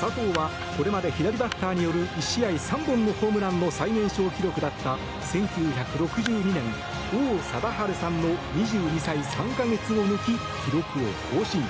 佐藤はこれまで左バッターによる１試合３本の最年少記録だった１９６２年王貞治さんの２２歳３か月を抜き記録を更新。